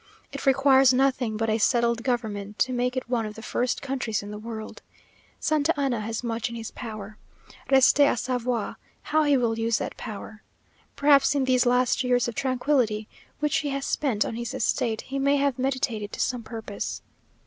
It requires nothing but a settled government to make it one of the first countries in the world. Santa Anna has much in his power. Reste a savoir how he will use that power. Perhaps in these last years of tranquillity, which he has spent on his estate, he may have meditated to some purpose.